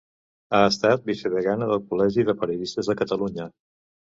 Ha estat vicedegana del Col·legi de Periodistes de Catalunya.